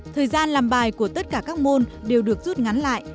thời gian làm bài của tất cả các môn đều được rút ngắn lại